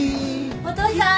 お父さん